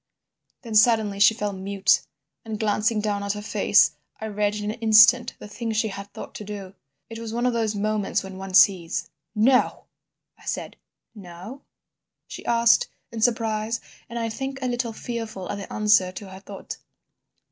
"Then suddenly she fell mute, and, glancing down at her face, I read in an instant the thing she had thought to do. It was one of those moments when one sees. "'No!' I said. "'No?' she asked, in surprise and I think a little fearful at the answer to her thought.